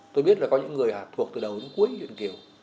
tôi biết là có những người thuộc từ đầu đến cuối viện kiều